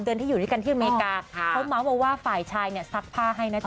๓เดือนที่อยู่ด้วยกันที่อเมริกาเขามาว่าฝ่ายชายสักผ้าให้นะจ๊ะ